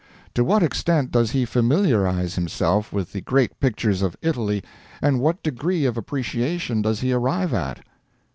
To what extent does he familiarize himself with the great pictures of Italy, and what degree of appreciation does he arrive at?